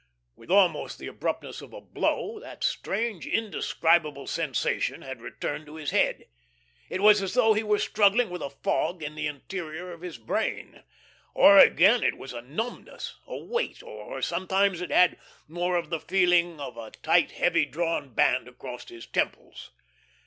With almost the abruptness of a blow, that strange, indescribable sensation had returned to his head. It was as though he were struggling with a fog in the interior of his brain; or again it was a numbness, a weight, or sometimes it had more of the feeling of a heavy, tight drawn band across his temples.